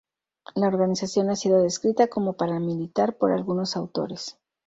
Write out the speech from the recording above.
La organización ha sido descrita como paramilitar por algunos autores.